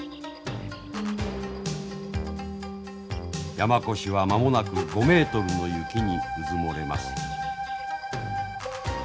山古志は間もなく５メートルの雪にうずもれます。